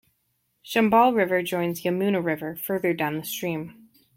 Chambal River joins Yamuna River further down the stream.